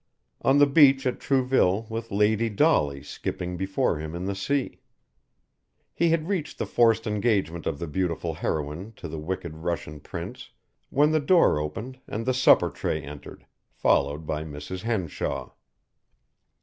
On the beach at Trouville with Lady Dolly skipping before him in the sea. He had reached the forced engagement of the beautiful heroine to the wicked Russian Prince, when the door opened and the supper tray entered, followed by Mrs. Henshaw.